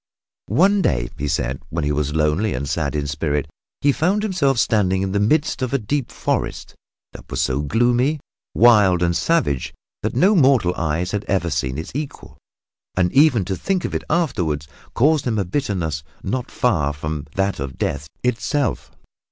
One day, he said, when he was lonely and sad in spirit, he found himself standing in the midst of a deep forest that was so gloomy, wild and savage that no mortal eyes had ever seen its equal and even to think of it afterward caused him a bitterness not far from that of death itself.